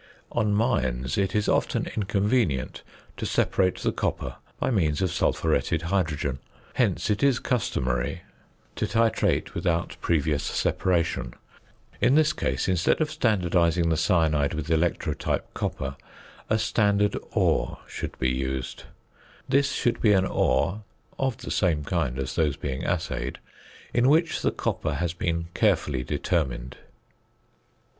_ On mines it is often inconvenient to separate the copper by means of sulphuretted hydrogen; hence it is customary to titrate without previous separation. In this case, instead of standardising the cyanide with electrotype copper, a standard ore should be used. This should be an ore (of the same kind as those being assayed) in which the copper has been carefully determined.